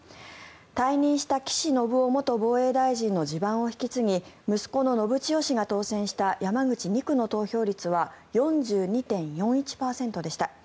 退任した岸信夫元防衛大臣の地盤を引き継ぎ息子の信千世氏が当選した山口２区の投票率は４２．４１％でした。